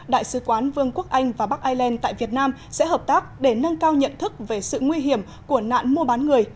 đại sứ quán vương quốc anh và bắc ireland tại việt nam sẽ hợp tác để nâng cao nhận thức về sự nguy hiểm của nạn mua bán người